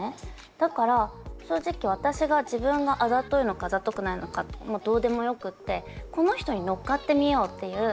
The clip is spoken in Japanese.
だから正直私が自分があざといのかあざとくないのかどうでもよくってこの人に乗っかってみようっていう。